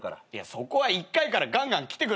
そこは１回からガンガンきてくださいよ。